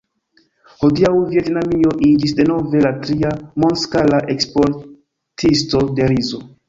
Hodiaŭ Vjetnamio iĝis denove la tria mondskala eksportisto de rizo.